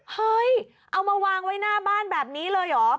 เฮ้ยเอามาวางไว้หน้าบ้านแบบนี้เลยเหรอ